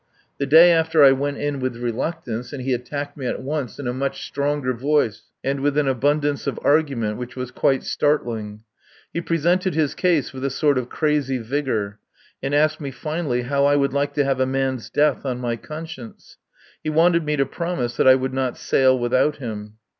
The day after I went in with reluctance, and he attacked me at once in a much stronger voice and with an abundance of argument which was quite startling. He presented his case with a sort of crazy vigour, and asked me finally how would I like to have a man's death on my conscience? He wanted me to promise that I would not sail without him.